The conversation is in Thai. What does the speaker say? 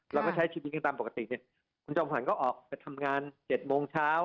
เราก็ใช้ชีวิตกันตามปกติเนี่ยคุณจอมขวัญก็ออกไปทำงาน๗โมงเช้า